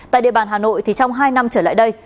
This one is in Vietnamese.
tại địa bàn hà nội thì trong hai năm trở lại đây